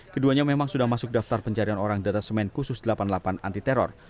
keduanya memang sudah masuk daftar pencarian orang data semen khusus delapan puluh delapan anti teror